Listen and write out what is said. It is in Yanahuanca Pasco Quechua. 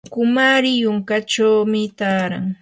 ukumari yunkachawmi taaran.